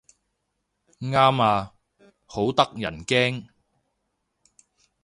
啱啊，好得人驚